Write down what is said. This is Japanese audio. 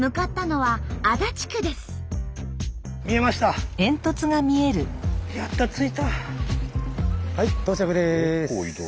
はい到着です！